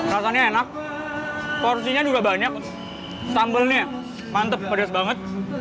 rasanya enak porsinya juga banyak sambalnya mantep pedas banget